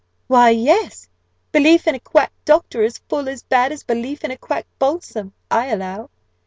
"Why, yes; belief in a quack doctor is full as bad as belief in a quack balsam, I allow.